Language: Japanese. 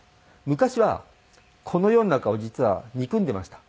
昔はこの世の中を実は憎んでました。